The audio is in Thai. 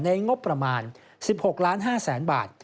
ในงบประมาณ๑๖๕๐๐๐๐๐บาท